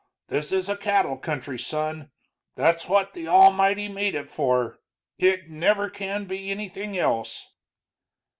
This is a cattle country, son; that's what the Almighty made it for. It never can be anything else."